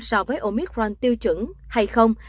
so với omicron tiêu chuẩn hay không